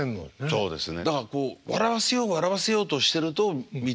そうですね。